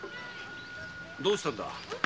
どうしたんだ？